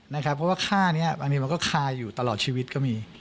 เพราะว่าค่านี้บางทีมันก็คาอยู่ตลอดชีวิตก็มี